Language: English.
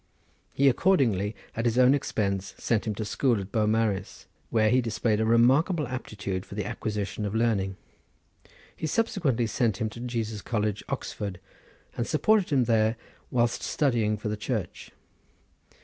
He accordingly, at his own expense, sent him to school at Beaumaris, where he displayed a remarkable aptitude for the acquisition of learning. He subsequently sent him to Jesus College, Oxford, and supported him there whilst studying for the Church.